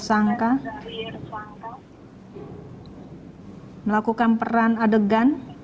sangka melakukan peran adegan